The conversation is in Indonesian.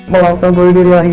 melakukan buru diri lagi